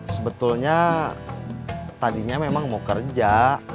sebetulnya tadinya memang mau kerja